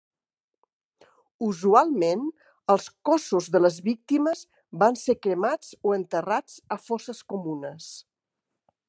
Usualment, els cossos de les víctimes van ser cremats o enterrats a fosses comunes.